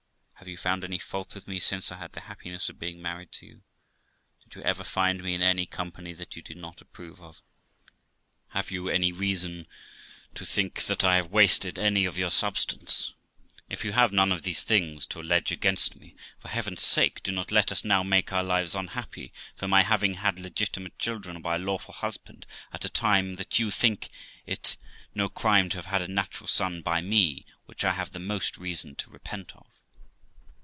Have you found any fault with me since I had the happiness of being married to you? Did you ever find me in any company that you did not approve of? Have you any reason to think that I have wasted any of your substance? If you have none of these things to allege against me, for heaven's sake do not let us now make our lives unhappy, for my having had legitimate children by a lawful husband, at a time that you think it no crime to have had a natural son by me, which I have the most reason to repent of.'